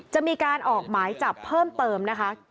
จะมีการออกหมายจับเพิ่มเติมนะคะ